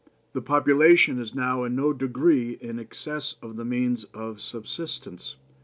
The population is now in no degree in excess of the means of subsistence.